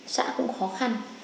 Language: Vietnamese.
xã cũng khó khăn